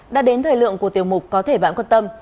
đã đến thời lượng của tiểu mục có thể bạn quan tâm